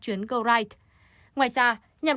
chuyến goride ngoài ra nhằm